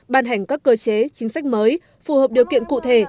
ban hành các cơ chế chính sách mới phù hợp điều kiện cụ thể